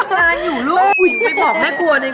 แม่ทำงานอยู่ลูกไปบอกแม่กลัวเลย